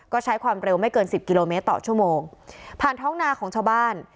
ก็ใช้ความเร็วไม่เกินสิบกิโลเมตรต่อชั่วโมงผ่านท้องนาของชาวบ้าน